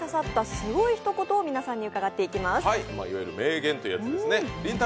いわゆる名言というやつですね。